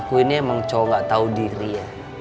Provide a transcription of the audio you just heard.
aku ini emang cowok gak tahu diri ya